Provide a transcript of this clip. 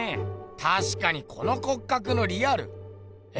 たしかにこの骨格のリアルえ？